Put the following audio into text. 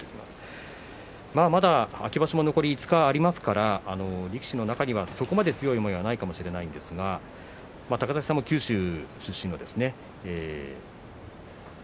まだ秋場所も残り５日ありますから力士の中には、そこまで強い思いはないかもしれませんが高崎さんも九州出身ですね。